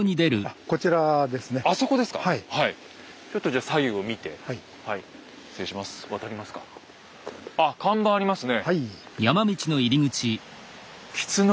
あっ看板ありますね。